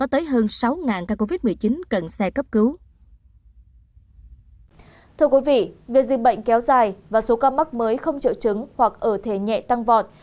thưa quý vị việc dịch bệnh kéo dài và số ca mắc mới không triệu chứng hoặc ở thể nhẹ tăng vọt